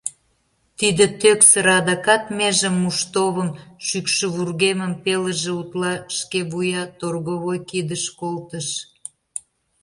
Тиде тӧксыр адакат межым, муштовым, шӱкшӧ вургемым пелыже утла шке вуя торговой кидыш колтыш.